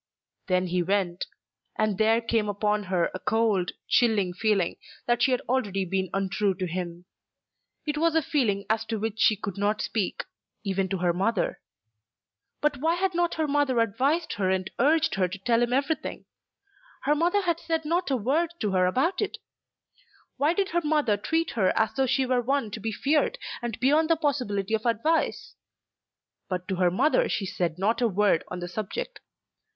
Then he went; and there came upon her a cold, chilling feeling that she had already been untrue to him. It was a feeling as to which she could not speak, even to her mother. But why had not her mother advised her and urged her to tell him everything? Her mother had said not a word to her about it. Why did her mother treat her as though she were one to be feared, and beyond the possibility of advice? But to her mother she said not a word on the subject.